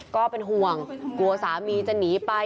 ก็เป็นห่วงกลัวสามีจะหนีไป